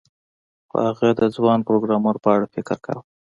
خو هغه د ځوان پروګرامر په اړه فکر کاوه